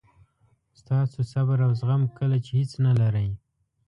ستاسو صبر او زغم کله چې هیڅ نه لرئ.